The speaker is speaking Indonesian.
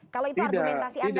kalau itu argumentasi anda